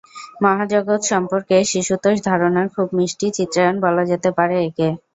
মহাজগত্ সম্পর্কে শিশুতোষ ধারণার খুব মিষ্টি চিত্রায়ণ বলা যেতে পারে একে।